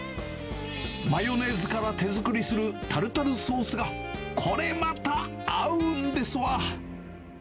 マヨネーズから手作りするタルタルソースが、これまた合うんですわ。